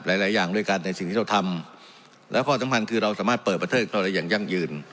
หลายหลายอย่างด้วยกันในสิ่งที่เราทำแล้วก็สำคัญคือเราสามารถเปิดประเทศเขาได้อย่างยั่งยืน